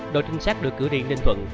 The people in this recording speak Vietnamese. đội trinh sát được cử điện ninh thuận